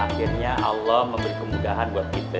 akhirnya allah memberi kemudahan buat kita